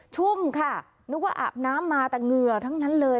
ชุ่มค่ะนึกว่าอาบน้ำมาแต่เหงื่อทั้งนั้นเลย